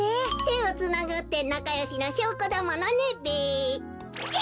てをつなぐってなかよしのしょうこだものねべ。